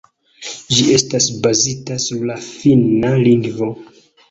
Ĝi estas bazita sur la Finna lingvo.